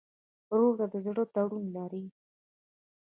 ورور ته د زړه تړون لرې.